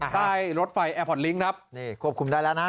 ใต้รถไฟแอร์พอร์ตลิงค์ครับนี่ควบคุมได้แล้วนะ